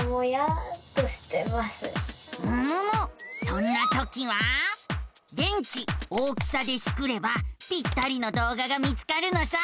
そんなときは「電池大きさ」でスクればぴったりの動画が見つかるのさ。